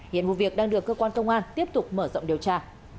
hiện vụ việc đang được cơ quan công an tiếp tục mở rộng điều tra